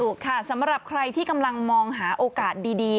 ถูกค่ะสำหรับใครที่กำลังมองหาโอกาสดี